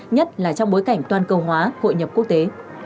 nhất là trong bối cảnh toàn cầu hóa hội nhập quốc tế